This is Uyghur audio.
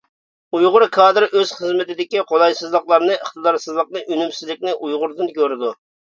ئۇيغۇر كادىر ئۆز خىزمىتىدىكى قولايسىزلىقلارنى، ئىقتىدارسىزلىقنى، ئۈنۈمسىزلىكنى ئۇيغۇردىن كۆرىدۇ.